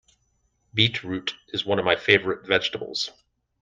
Beetroot is one of my favourite vegetables